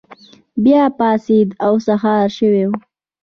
بیا پاڅیږي او سهار شوی وي.